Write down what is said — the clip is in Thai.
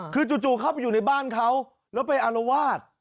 คือจู่เข้าไปอยู่ในบ้านเขาแล้วไปอารวาส